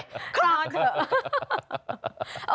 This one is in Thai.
นอนเถอะ